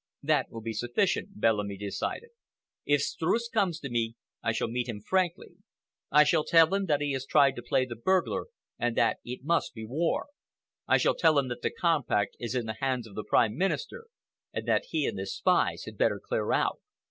"That will be sufficient," Bellamy decided. "If Streuss comes to me, I shall meet him frankly. I shall tell him that he has tried to play the burglar and that it must be war. I shall tell him that the compact is in the hands of the Prime Minister, and that he and his spies had better clear out."